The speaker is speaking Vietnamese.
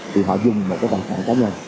thì họ dùng một cái tài khoản cá nhân